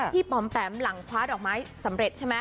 พี่ปำแปำหลังคว้าดอกไม้สำเร็จใช่ไหม